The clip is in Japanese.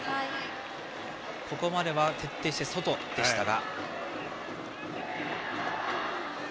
ここまでは徹底して外でしたが。